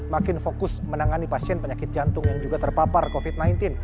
makin fokus menangani pasien penyakit jantung yang juga terpapar covid sembilan belas